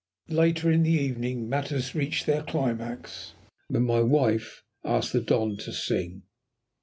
Later in the evening matters reached their climax, when my wife asked the Don to sing.